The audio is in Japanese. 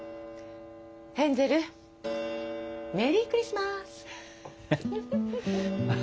ヘンゼルメリー・クリスマス！